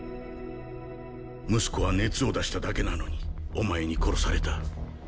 息子は熱を出しただけなのにお前に殺された。